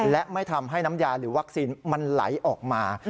และไม่ทำให้น้ำยาหรือวัคซีนมันไหลออกมา